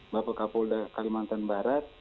bapak kapolda kalimantan barat